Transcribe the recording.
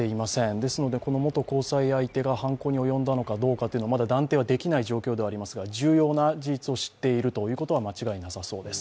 ですので、元交際相手が犯行に及んだのかどうか、まだ断定できない状況ではありますが、重要な事実を知っているということは間違いなさそうです。